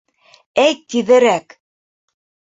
Әйт тиҙерәк!..